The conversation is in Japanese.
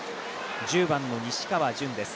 １０番の西川潤です。